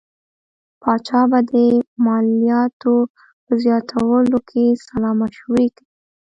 پاچا به د مالیاتو په زیاتولو کې سلا مشورې کوي.